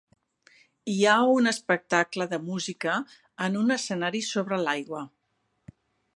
Hi ha un espectacle de música en un escenari sobre l'aigua.